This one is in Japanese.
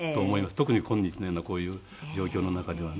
特に今日のようなこういう状況の中ではね。